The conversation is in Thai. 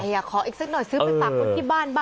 ติดใจอ่ะขออีกซึ่งหน่อยซื้อไปสั่งพวกที่บ้านบ้าง